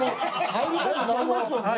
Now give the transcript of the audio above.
入りたくなりますもんね。